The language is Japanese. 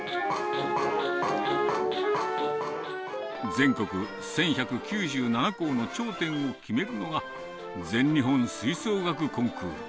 全国１１９７校の頂点を決めるのが、全日本吹奏楽コンクール。